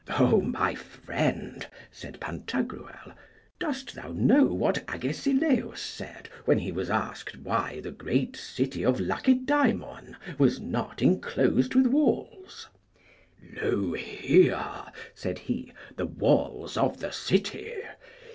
O my friend, said Pantagruel, dost thou know what Agesilaus said when he was asked why the great city of Lacedaemon was not enclosed with walls? Lo here, said he, the walls of the city!